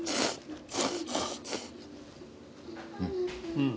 うん。